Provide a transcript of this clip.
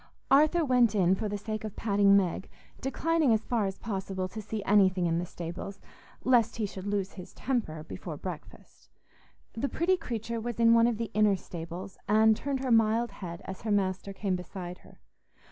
Arthur went in for the sake of patting Meg, declining as far as possible to see anything in the stables, lest he should lose his temper before breakfast. The pretty creature was in one of the inner stables, and turned her mild head as her master came beside her.